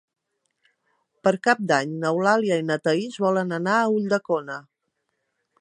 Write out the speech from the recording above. Per Cap d'Any n'Eulàlia i na Thaís volen anar a Ulldecona.